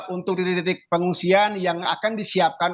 untuk titik titik pengungsian yang akan disiapkan